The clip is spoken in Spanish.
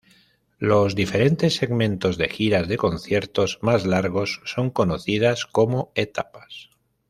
Los diferentes segmentos de giras de conciertos más largos son conocidas como "etapas".